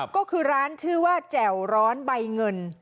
ก็คือร้านชื่อว่าแจ่วร้อนใบเงิน